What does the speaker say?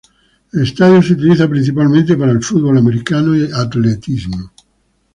El estadio se utiliza principalmente para el fútbol americano y atletismo.